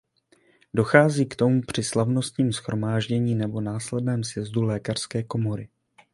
Dochází k tomu při slavnostním shromáždění nebo následném sjezdu lékařské komory.